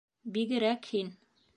— Бигерәк һин.